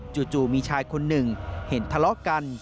จู่มีชายคนหนึ่งเห็นทะเลาะกัน